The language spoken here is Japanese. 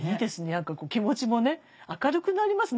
何かこう気持ちもね明るくなりますね